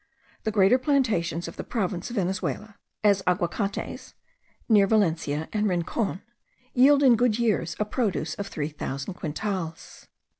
The greater plantations of the province of Venezuela (as Aguacates, near Valencia and Rincon) yield in good years a produce of three thousand quintals.